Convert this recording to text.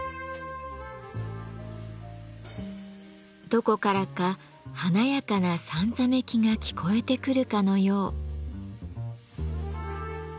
どこからか華やかなさんざめきが聞こえてくるかのよう。